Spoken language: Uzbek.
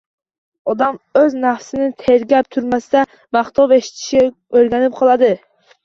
Odam o‘z nafsini tergab turmasa, maqtov eshitishga o‘rganib qoladi.